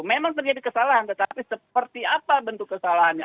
memang terjadi kesalahan tetapi seperti apa bentuk kesalahannya